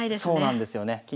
そうなんですよね。